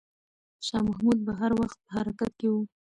شاه محمود به هر وخت په حرکت کې وي.